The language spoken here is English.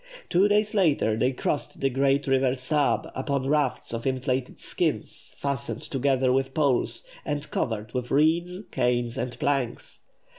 Two days later they crossed the great river Sab upon rafts of inflated skins, fastened together with poles, and covered with reeds, canes, and planks.